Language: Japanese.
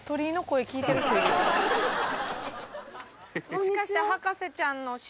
もしかして。